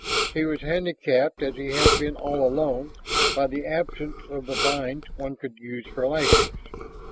He was handicapped as he had been all along by the absence of the vines one could use for lashings.